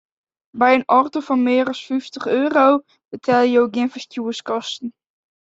By in oarder fan mear as fyftich euro betelje jo gjin ferstjoerskosten.